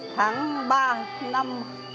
tháng ba năm một nghìn chín trăm sáu mươi